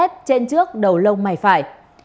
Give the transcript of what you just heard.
trên trước đầu lông mày phải